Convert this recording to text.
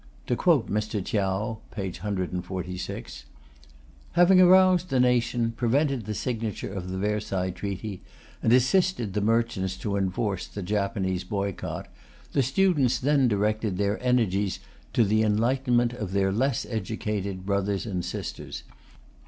To quote Mr. Tyau (p. 146): Having aroused the nation, prevented the signature of the Versailles Treaty and assisted the merchants to enforce the Japanese boycott, the students then directed their energies to the enlightenment of their less educated brothers and sisters.